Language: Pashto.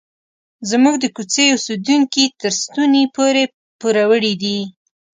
زموږ د کوڅې اوسیدونکي تر ستوني پورې پوروړي دي.